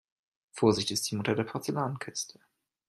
Vorsicht ist die Mutter der Porzellankiste.